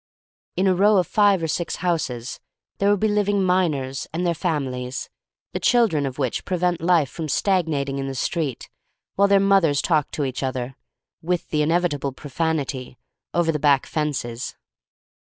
In a row of five or six houses there will be living miners and their fam ilies, the children of which prevent life THE STORY OF MARY MAC LANE II7 from Stagnating in the street while their mothers talk to each other — with the inevitable profanity — over the back fences.